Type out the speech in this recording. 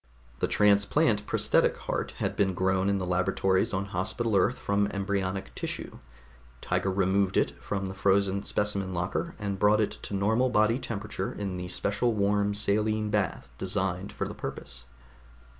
The transplant prosthetic heart had been grown in the laboratories on Hospital Earth from embryonic tissue; Tiger removed it from the frozen specimen locker and brought it to normal body temperature in the special warm saline bath designed for the purpose.